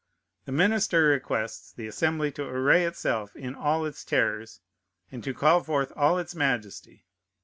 The minister requests the Assembly to array itself in all its terrors, and to call forth all its majesty.